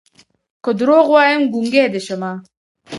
که دروغ وايم ګونګې دې شمه